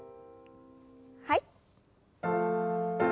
はい。